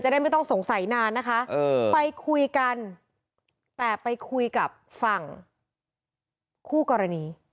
ได้ไม่ต้องสงสัยนานนะคะไปคุยกันแต่ไปคุยกับฝั่งคู่กรณี